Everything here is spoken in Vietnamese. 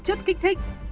chất kích thích